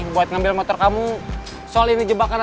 jangan lupa berlangganan ya